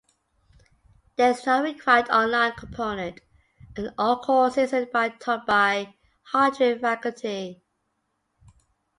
There is no required online component, and all courses are taught by Hartwick faculty.